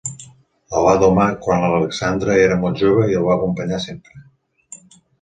El va domar quan Alexandre era molt jove i el va acompanyar sempre.